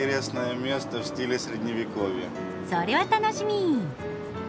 それは楽しみ！